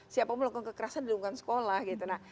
siapapun melakukan kekerasan dilindungi sekolah gitu